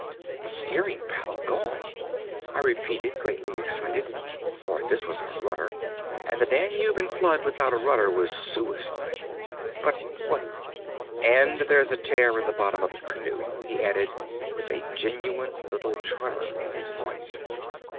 "The steering paddle gone!" I repeated, greatly excited, for this was our rudder, and the Danube in flood without a rudder was suicide. "But what—" "And there's a tear in the bottom of the canoe," he added, with a genuine little tremor in his voice.